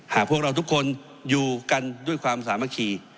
หากพวกเราทุกคนอยู่กันด้วยความสามัคคี